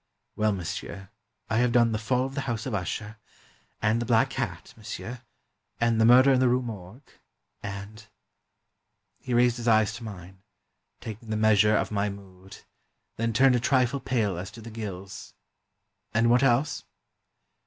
"Well, monsieur, I have done 'The Fall of the House of Usher,' ... and 'The Black Cat,' monsieur, ... and 'The Murder in the Rue Morgue,' ... and —" He raised his eyes to mine, taking the measure of my mood, then turned a trifle pale as to the gills. "And what else?"